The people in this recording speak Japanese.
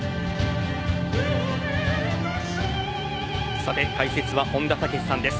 さて、解説は本田武史さんです。